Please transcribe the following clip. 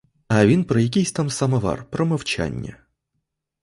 А він про якийсь там самовар про мовчання!